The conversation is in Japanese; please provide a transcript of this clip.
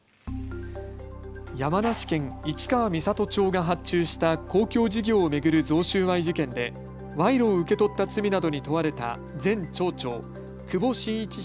山梨県市川三郷町で発注した公共事業を巡る贈収賄事件で賄賂を受け取った罪などに問われた前町長、久保眞一